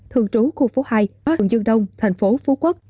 thường trú khu phố hai hùng dương đông thành phố phú quốc